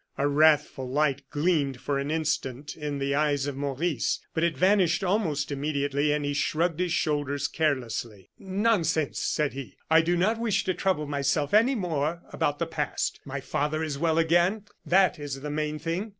A wrathful light gleamed for an instant in the eyes of Maurice; but it vanished almost immediately, and he shrugged his shoulders carelessly. "Nonsense," said he, "I do not wish to trouble myself any more about the past. My father is well again, that is the main thing.